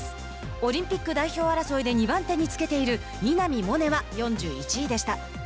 オリンピック代表争いで２番手につけている稲見萌寧は４１位でした。